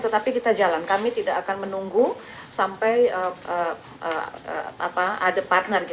tetapi kita jalan kami tidak akan menunggu sampai ada partner